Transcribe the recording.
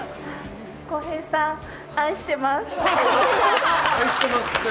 康平さん、愛してます！